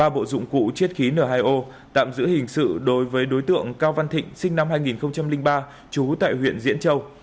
ba bộ dụng cụ chiết khí n hai o tạm giữ hình sự đối với đối tượng cao văn thịnh sinh năm hai nghìn ba trú tại huyện diễn châu